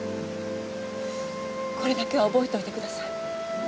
これだけは覚えておいてください。